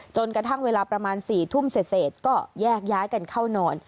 จนกระทั่งเวลาประมาณ๔ทุ่มเสร็จก็แยกย้ายกันเข้านอน